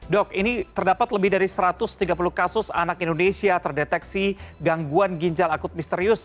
dok ini terdapat lebih dari satu ratus tiga puluh kasus anak indonesia terdeteksi gangguan ginjal akut misterius